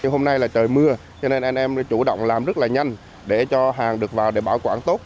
hôm nay là trời mưa cho nên anh em chủ động làm rất là nhanh để cho hàng được vào để bảo quản tốt